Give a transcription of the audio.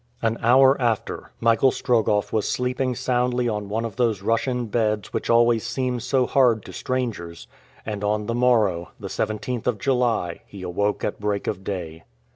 An hour after, Michael Strogoff was sleeping soundly on one of those Russian beds which always seem so hard to strangers, and on the morrow, the 17th of July, he awoke at break of day.